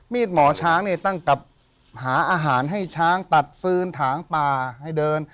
หมอช้างเนี่ยตั้งกับหาอาหารให้ช้างตัดฟื้นถางป่าให้เดิน